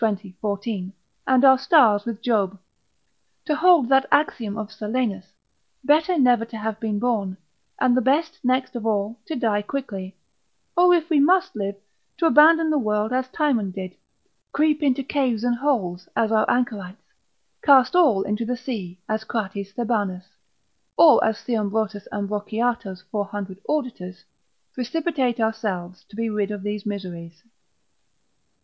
14, and our stars with Job: to hold that axiom of Silenus, better never to have been born, and the best next of all, to die quickly: or if we must live, to abandon the world, as Timon did; creep into caves and holes, as our anchorites; cast all into the sea, as Crates Thebanus; or as Theombrotus Ambrociato's 400 auditors, precipitate ourselves to be rid of these miseries.